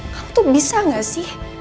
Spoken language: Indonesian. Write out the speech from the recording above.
kamu tuh bisa nggak sih